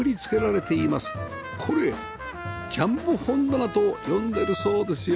これ「ジャンボ本棚」と呼んでるそうですよ